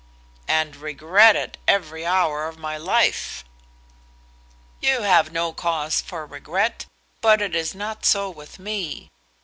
"And regret it every hour of my life." "You have no cause for regret, but it is not so with me.